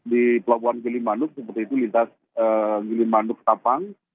di pelabuhan gili manuk seperti itu lintas gili manuk tapang